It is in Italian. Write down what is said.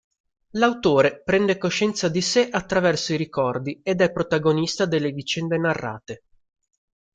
L'autore prende coscienza di sé attraverso i ricordi ed è protagonista delle vicende narrate.